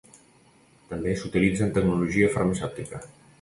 També s'utilitza en Tecnologia Farmacèutica.